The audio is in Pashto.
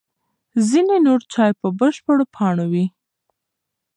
ځینې نور چای په بشپړو پاڼو وي.